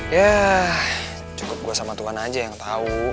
yah cukup gue sama tuhan aja yang tau